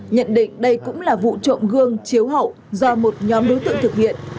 nhận định đây cũng là vụ trộm gương chiếu hậu do một nhóm đối tượng thực hiện